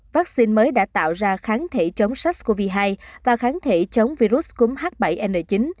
vaccine mới đã tạo ra kháng thể chống sars cov hai và kháng thể chống virus cúm h bảy n chín